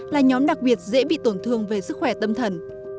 là nhóm đặc biệt dễ bị tổn thương về sức khỏe tâm thần